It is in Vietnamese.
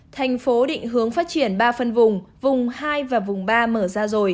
thành phố định hướng phát triển ba phân vùng vùng hai và vùng ba mở ra rồi